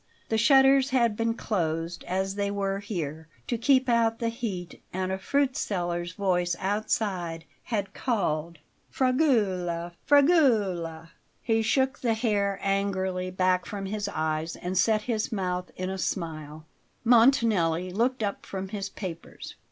The shutters had been closed, as they were here, to keep out the heat, and a fruitseller's voice outside had called: "Fragola! Fragola!" He shook the hair angrily back from his eyes and set his mouth in a smile. Montanelli looked up from his papers.